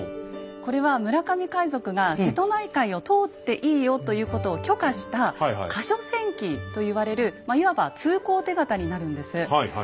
これは村上海賊が瀬戸内海を通っていいよということを許可した「過所船旗」と言われるいわば通行手形になるんです。